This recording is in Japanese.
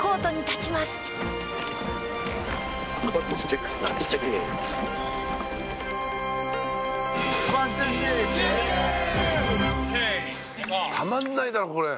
「たまんないだろこれ」